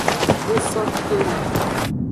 N so ke wo.